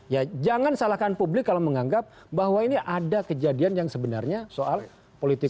ya jangan salahkan publik kalau menganggap bahwa ini ada kejadian yang sebenarnya soal politik